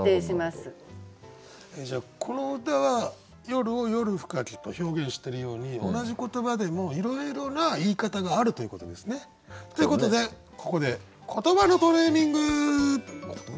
この歌は「夜」を「夜深き」と表現してるように同じ言葉でもいろいろな言い方があるということですね。ということでここで言葉のトレーニング！